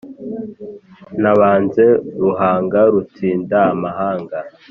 nabanze ruhanga rutsinda amahanga,